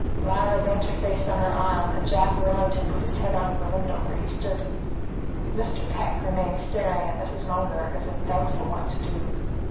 Lyra bent her face on her arm, and Jack Wilmington put his head out of the window where he stood. Mr. Peck remained staring at Mrs. Munger, as if doubtful what to do.